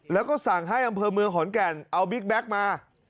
แล้วก็สั่งให้อำเภอเมืองขอนแก่นเอาบิ๊กแบ็คมา